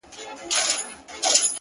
پرېميږده ـ پرېميږده سزا ده د خداى ـ